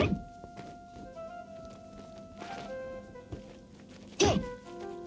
janganlah kau berguna